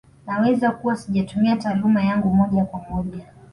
Naweza kuwa sijatumia taaluma yangu moja kwa moja